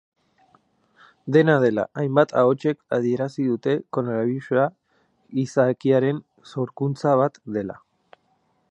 Dena dela, hainbat ahotsek adierazi dute koronabirusa gizakiaren sorkuntza bat dela.